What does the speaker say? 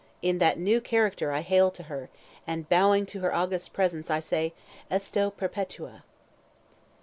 in that new character I hail her! and bowing to her august presence, I say, _Esto perpetua!